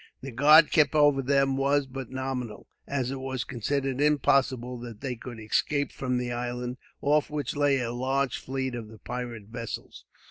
The guard kept over them was but nominal, as it was considered impossible that they could escape from the island, off which lay a large fleet of the pirate vessels.